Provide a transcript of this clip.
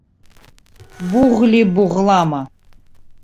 Буӷли-буӷлама.